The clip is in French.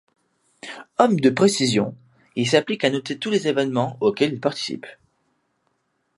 Homme de précision, il s'applique à noter tous les événements auxquels il participe.